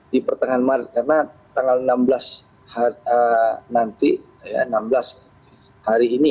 di pertengahan maret karena tanggal enam belas hari ini